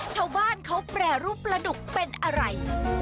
ชาวบ้านเขาแปรรูปปลาดุกเป็นอะไร